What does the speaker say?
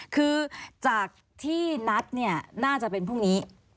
คือจากที่นัดเนี่ยน่าจะเป็นพรุ่งนี้